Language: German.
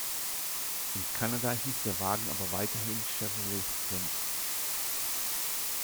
In Kanada hieß der Wagen aber weiterhin Chevrolet Sprint.